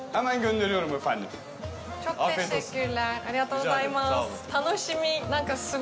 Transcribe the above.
ありがとうございます。